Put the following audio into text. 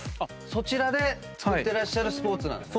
そちらでつくってらっしゃるスポーツなんですね。